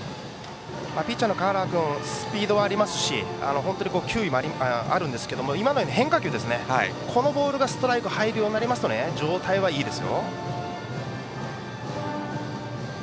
ピッチャーの川原君スピードはありますし本当に球威もあるんですが今のように変化球のボールがストライクに入るようになると状態はいいです。